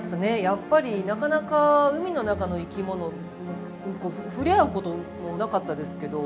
やっぱりなかなか海の中の生きもの触れ合うこともなかったですけど。